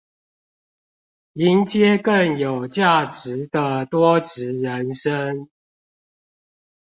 迎接更有價值的多職人生